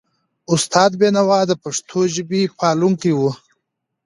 استاد بینوا د پښتو ژبي پالونکی و.